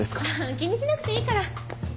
気にしなくていいから。